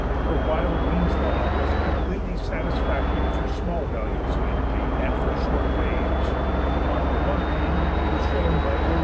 For while Wien's law was completely satisfactory for small values of energy and for short waves, on the one hand it was shown by O.